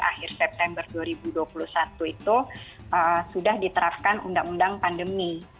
akhir september dua ribu dua puluh satu itu sudah diterapkan undang undang pandemi